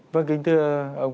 vâng kính thưa ông